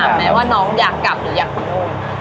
ถามแม่ว่าน้องอยากกลับหรืออยากไปโดน